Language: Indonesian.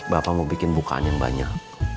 bapak mau bikin bukaan yang banyak